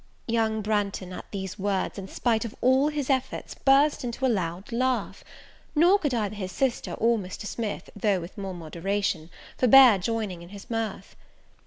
Young Branghton, at these words, in spite of all his efforts, burst into a loud laugh; nor could either his sister or Mr. Smith, though with more moderation, forbear joining in his mirth.